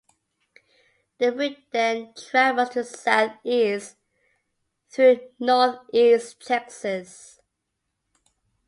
The route then travels to the southeast through Northeast Texas.